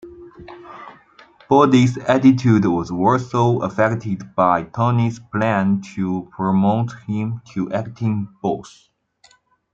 Bobby's attitude was also affected by Tony's plan to promote him to Acting Boss.